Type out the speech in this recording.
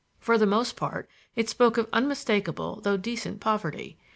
For the most part it spoke of unmistakable though decent poverty.